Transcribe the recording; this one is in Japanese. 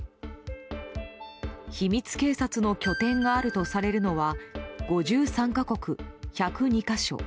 秘密警察の拠点があるとされるのは５３か国１０２か所。